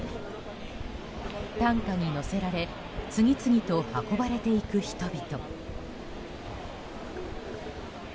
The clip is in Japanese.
担架に乗せられ次々と運ばれていく人々。